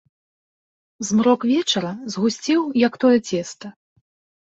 Змрок вечара згусцеў, як тое цеста.